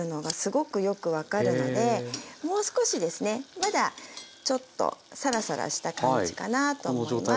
まだちょっとサラサラした感じかなと思います。